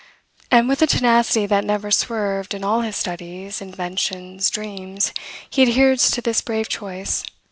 and, with a tenacity that never swerved in all his studies, inventions, dreams, he adheres to this brave choice.